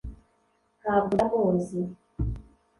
ntabwo ndamuzi